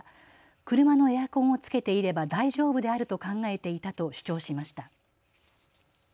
車のエアコンをつけていれば大丈夫であると考えていたと主張しました。